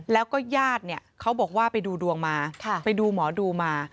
แล้วก็ญาติเนี่ยเขาบอกว่าไปดูดวงมาไปดูหมอดูมา